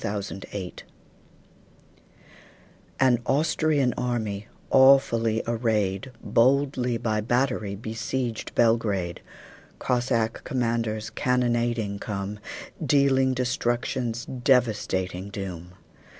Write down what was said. Y Z The Siege of Belgrade AN Austrian army, awfully arrayed, Boldly by battery besieged Belgrade. Cossack commanders cannonading come, Dealing destruction's devastating doom.